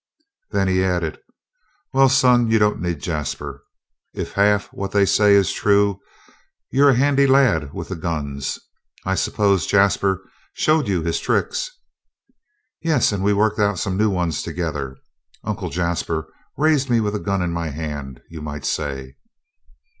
Then he added: "Well, son, you don't need Jasper. If half what they say is true, you're a handy lad with the guns. I suppose Jasper showed you his tricks?" "Yes, and we worked out some new ones together. Uncle Jasper raised me with a gun in my hand, you might say."